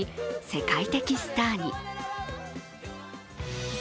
世界的スターに。